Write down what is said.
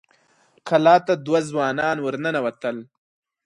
کلا ته دوه ځوانان ور ننوتل.